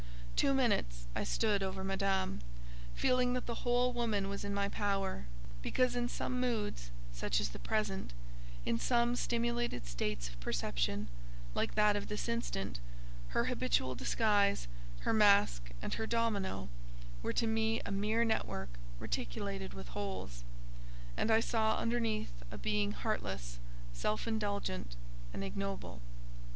Two minutes I stood over Madame, feeling that the whole woman was in my power, because in some moods, such as the present—in some stimulated states of perception, like that of this instant—her habitual disguise, her mask and her domino, were to me a mere network reticulated with holes; and I saw underneath a being heartless, self indulgent, and ignoble.